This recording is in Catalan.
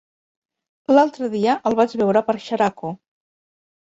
L'altre dia el vaig veure per Xeraco.